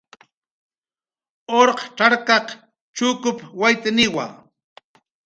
Urq cxarkaq chukup waytniwa